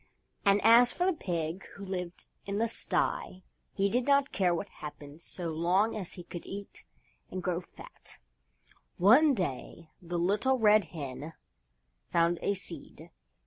And as for the pig who lived in the sty he did not care what happened so long as he could eat and grow fat. One day the Little Red Hen found a Seed.